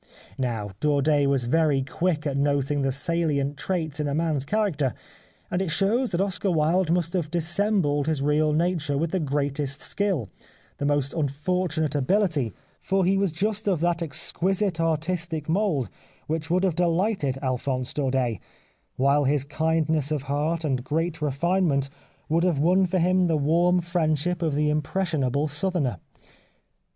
Now Daudet was very quick at noting the salient traits in a man's character, and it shows that Oscar Wilde must have dissembled his real nature with the greatest skill, the most unfor tunate ability, for he was just of that exquisite 231 The Life of Oscar Wilde artistic mould which would have delighted Alphonse Daudet, while his kindness of heart and great refinement would have won for him the warm friendship of the impressionable Southerner.